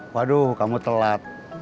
waduh kamu telat